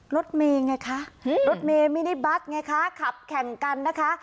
รถเมย์ไงคะรถเมย์มินิบัสไงคะขับแข่งกันนะคะ